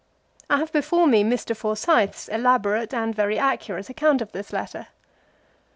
I have before ine Mr. Forsyth's elaborate and very accurate account of this letter.